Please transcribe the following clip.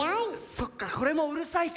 そっかこれもうるさいか。